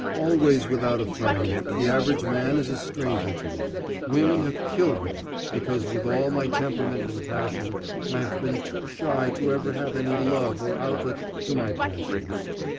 Always without a friend, the average man is a stranger to me. Women have killed me, because with all my temperament and passion I have been too shy to ever have any love or outlet to my passion.